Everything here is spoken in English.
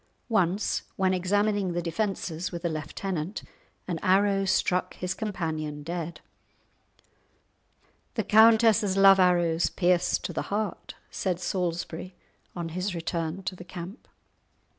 Once when examining the defences with a lieutenant, an arrow struck his companion dead. "The countess's love arrows pierce to the heart," said Salisbury, on his return to the camp.